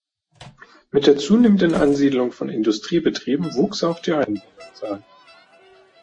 Mit der zunehmenden Ansiedlung von Industriebetrieben wuchs auch die Einwohnerzahl.